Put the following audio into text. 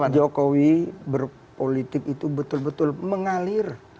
jokowi berpolitik itu betul betul mengalir